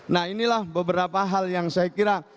nah inilah beberapa hal yang saya kira